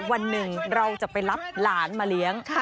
วันหนึ่งเราจะไปรับหลานมาเลี้ยง